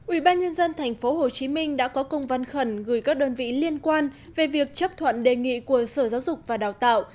ủy ban nhân dân tp hcm đã có công văn khẩn gửi các đơn vị liên quan về việc chấp thuận đề nghị của sở giáo dục và đào tạo